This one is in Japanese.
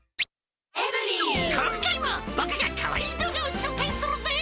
今回も、僕がかわいい動画を紹介するぜ。